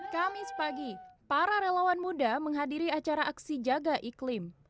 kamis pagi para relawan muda menghadiri acara aksi jaga iklim